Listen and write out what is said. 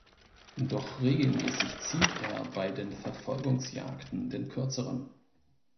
Doch regelmäßig zieht er bei den Verfolgungsjagden den Kürzeren.